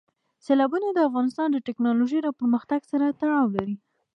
سیلابونه د افغانستان د تکنالوژۍ له پرمختګ سره تړاو لري.